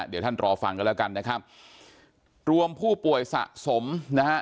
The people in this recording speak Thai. เดี๋ยวท่านรอฟังกันแล้วกันนะครับรวมผู้ป่วยสะสมนะฮะ